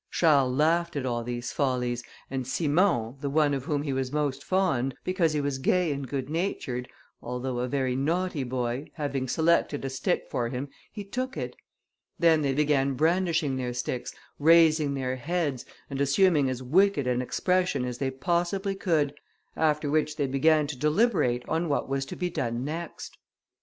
Charles laughed at all these follies, and Simon, the one of whom he was most fond, because he was gay and good natured, although a very naughty boy, having selected a stick for him, he took it. Then they began brandishing their sticks, raising their heads, and assuming as wicked an expression as they possibly could, after which they began to deliberate on what was to be done next.